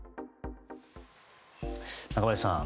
中林さん